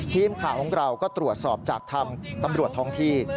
ทีมข่าวของเราก็ตรวจสอบจากทางตำรวจท้องที่